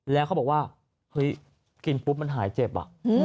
แล้วเขาบอกว่าเฮ้ยกินปุ๊บมันหายเจ็บอ่ะ